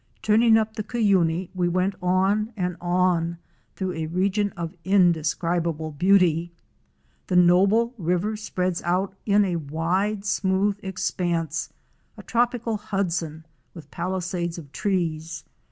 Turning up the Cuyuni we went on and on through a region of indescribable beauty. The noble river spreads out in a wide smooth expanse, — a tropical Hudson with palisades of trees.